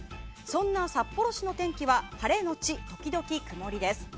そんな札幌市の天気は晴れのち時々曇りです。